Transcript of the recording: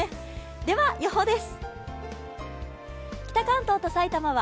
では予報です。